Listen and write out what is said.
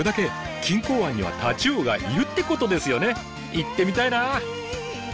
行ってみたいな！